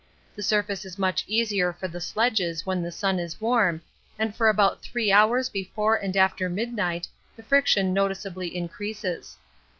The surface is much easier for the sledges when the sun is warm, and for about three hours before and after midnight the friction noticeably increases.